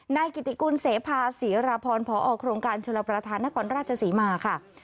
นายกิติกุลเสพาศรีราพรพอโครงการชลประธานนครราชศรีมาค่ะ